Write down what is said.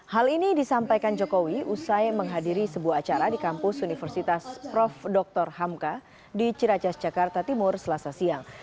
hal ini disampaikan jokowi usai menghadiri sebuah acara di kampus universitas prof dr hamka di ciracas jakarta timur selasa siang